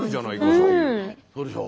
そうでしょ。